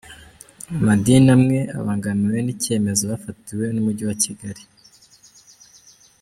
Amadini amwe abangamiwe n’icyemezo bafatiwe n’Umujyi wa Kigali